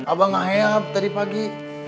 abah gak heap tadi pagi